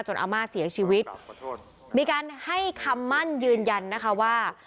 อาม่าเสียชีวิตมีการให้คำมั่นยืนยันนะคะว่า